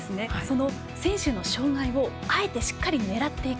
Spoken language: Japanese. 選手の障がいをあえてしっかり狙っていく。